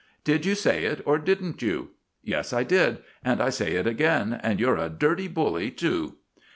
"Did you say it or didn't you?" "Yes, I did, and I say it again; and you're a dirty bully too."